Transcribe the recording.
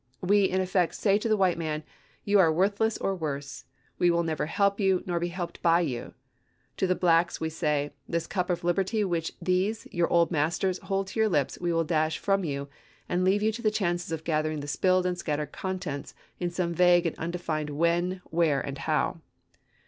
We, in effect, say to the white man : You are worthless or worse ; we will neither help you, nor be helped by 462 ABRAHAM LINCOLN chap. xix. you. To the blacks we say: This cup of liberty which these, your old masters, hold to your lips we will dash from you, and leave you to the chances of gathering the spilled and scattered contents in some vague and undefined when, where, and how.